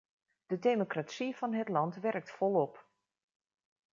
De democratie van het land werkt volop.